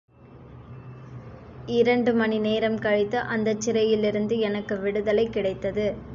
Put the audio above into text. இரண்டு மணி நேரம் கழித்து அந்தச் சிறையிலிருந்து எனக்கு விடுதலை கிடைத்தது.